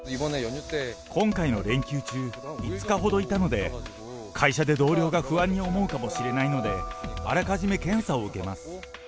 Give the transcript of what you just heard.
今回の連休中、５日ほどいたので、会社で同僚が不安に思うかもしれないので、あらかじめ検査を受けます。